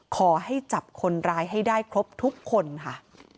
ขอให้จับคนร้ายให้ได้ครบทุกคนค่ะ